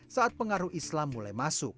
saat pengaruh islam mulai masuk